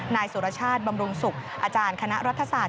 นายสุรชาติบำรุงศุกร์อาจารย์คณะรัฐศาสต